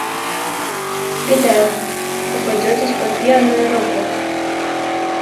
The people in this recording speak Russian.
Беда, попадетесь под пьяную руку.